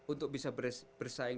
untuk bisa bersaing